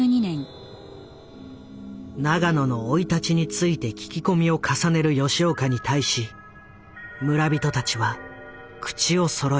永野の生い立ちについて聞き込みを重ねる吉岡に対し村人たちは口をそろえた。